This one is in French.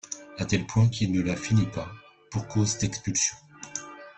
À tel point qu’il ne la finit pas, pour cause d’expulsion.